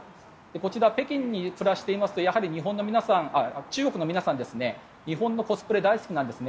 こちら、北京に暮らしていますとやはり中国の皆さん日本のコスプレ大好きなんです。